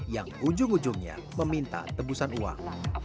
yang ujung ujungnya meminta tebusan uang